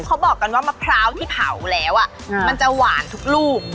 เขาบอกกันว่ามะพร้าวที่เผาแล้วมันจะหวานทุกลูก